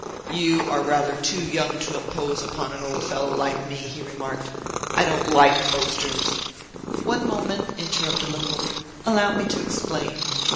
"You are rather too young to impose upon an old fellow like me," he remarked. "I don't like boasters " "One moment!" interrupted Lecoq; "allow me to explain.